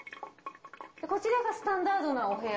こちらがスタンダードなお部屋？